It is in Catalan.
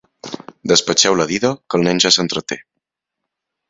Despatxeu la dida, que el nen ja s'entreté.